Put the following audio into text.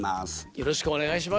よろしくお願いします。